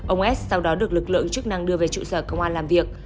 ông s sau đó được lực lượng chức năng đưa về trụ sở công an làm việc